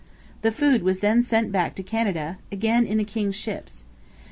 The food was then sent back to Canada, again in the king's ships.